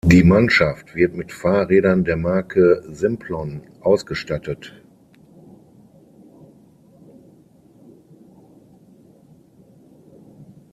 Die Mannschaft wird mit Fahrrädern der Marke Simplon ausgestattet.